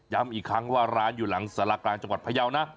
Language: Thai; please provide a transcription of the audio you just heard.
อีกครั้งว่าร้านอยู่หลังสารกลางจังหวัดพยาวนะ